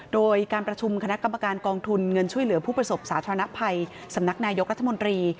โดยการประชุมคณะกรรมการกองทุนเงินช่วยเหลือผู้ประสบสาธารณภัยสำนักนายกรัฐมนตรี